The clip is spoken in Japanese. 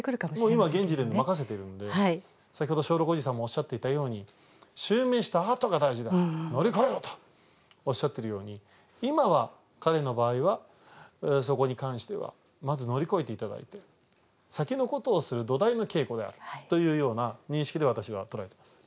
今現時点で任せてるんで先ほど松緑おじさんもおっしゃっていたように「襲名したあとが大事だから乗り越えろ」とおっしゃってるように今は彼の場合はそこに関してはまず乗り越えて頂いて先のことをする土台の稽古であるというような認識で私は捉えてます。